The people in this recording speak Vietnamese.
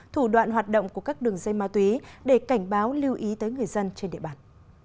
thủ đoạn hoạt động của các đường dây ma túy để cảnh báo lưu ý tới người dân trên địa bàn